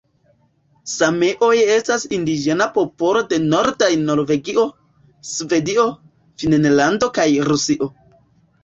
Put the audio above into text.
Sameoj estas indiĝena popolo de nordaj Norvegio, Svedio, Finnlando kaj Rusio.